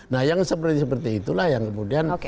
nah yang seperti seperti itulah yang kemudian